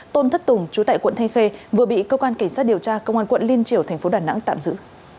tôn thất tùng chú tại quận thây khê vừa bị cơ quan cảnh sát điều tra công an quận liên triều tp đà nẵng tạm giữ